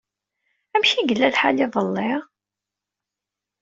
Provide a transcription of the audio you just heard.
Amek ay yella lḥal iḍelli?